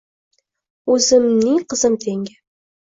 O‘zimning qizim tengi